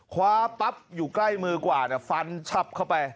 คว้าปั๊บอยู่ใกล้มือกว่าฟันชับเข้าไป